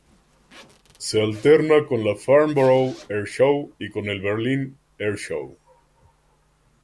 Se alterna con la Farnborough Air Show y con el Berlin Air Show.